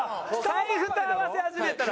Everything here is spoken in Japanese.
財布と合わせ始めたら。